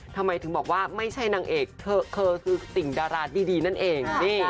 ทำไมถึงบอกว่าไม่ใช่นางเอกเธอคือสิ่งดาราดีนั่นเอง